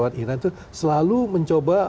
iran itu selalu mencoba